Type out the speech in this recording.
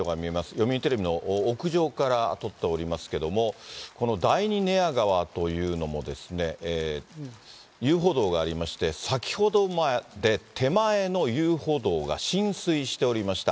読売テレビの屋上から撮っておりますけども、この第二寝屋川というのも遊歩道がありまして、先ほど、手前の遊歩道が浸水しておりました。